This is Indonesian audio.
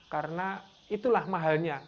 karena itulah mahalnya